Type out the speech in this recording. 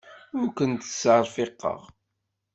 Ur kent-ttserfiqeɣ.